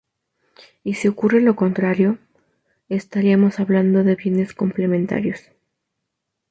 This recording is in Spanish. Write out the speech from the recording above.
Y si ocurre lo contrario, estaríamos hablando de bienes complementarios.